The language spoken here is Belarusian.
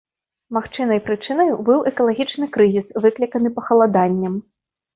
Магчымай прычынай быў экалагічны крызіс, выкліканы пахаладаннем.